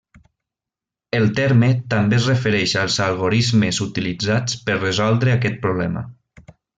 El terme també es refereix als algorismes utilitzats per resoldre aquest problema.